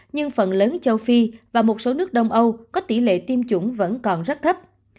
nhưng phần lớn châu phi và một số nước đông âu có tỷ lệ tiêm chủng vẫn còn rất thấp